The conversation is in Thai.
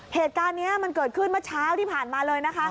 เหตุการณ์นี้มันเกิดขึ้นเมื่อเช้าที่ผ่านมาเลยนะคะ